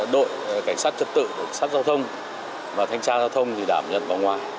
đội cảnh sát trật tự cảnh sát giao thông và thanh tra giao thông thì đảm nhận vòng ngoài